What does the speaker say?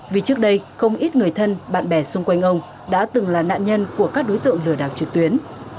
vì trước đây không ít người thân bạn bè xung quanh ông đã từng là nạn nhân của các đối tượng lừa đảo trực tuyến